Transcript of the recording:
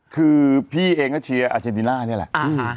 คือพี่เองก็เชียร์อาเจนติน่านี่แหละ